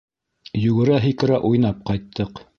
Йүгерә-һикерә уйнап ҡайттыҡ.